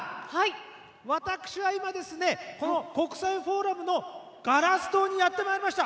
私は、今ですね国際フォーラムのガラス棟にやってまいりました。